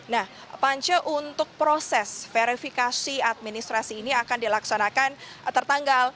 nah pance untuk proses verifikasi administrasi ini akan dilaksanakan tertanggal